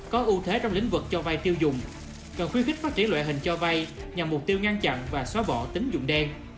có ưu thế trong lĩnh vực cho vai tiêu dùng cần khuyến khích phát triển loại hình cho vay nhằm mục tiêu ngăn chặn và xóa bỏ tính dụng đen